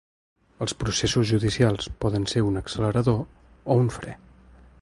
Els processos judicials poden ser un accelerador o un fre.